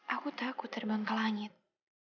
aku takut terbang ke langit